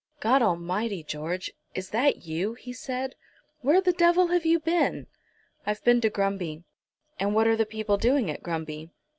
"God Almighty, George; is that you?" he said. "Where the devil have you been?" "I've been to Grumby." "And what are the people doing at Grumby?"